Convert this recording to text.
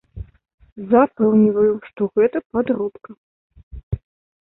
Запэўніваю, што гэта падробка.